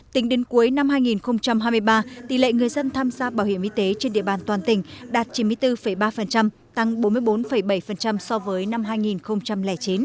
tính đến cuối năm hai nghìn hai mươi ba tỷ lệ người dân tham gia bảo hiểm y tế trên địa bàn toàn tỉnh đạt chín mươi bốn ba tăng bốn mươi bốn bảy so với năm hai nghìn chín